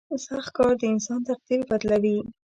• سخت کار د انسان تقدیر بدلوي.